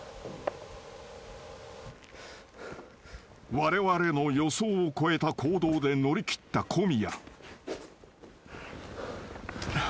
［われわれの予想を超えた行動で乗り切った小宮］